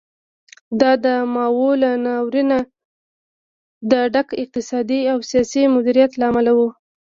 دا د ماوو له ناورینه د ډک اقتصادي او سیاسي مدیریت له امله و.